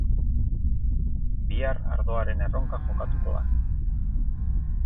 Bihar ardoaren erronka jokatuko da.